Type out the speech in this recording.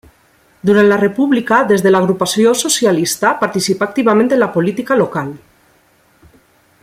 Durant la República, des de l’agrupació socialista, participà activament en la política local.